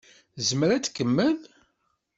Tezmer ad tkemmel?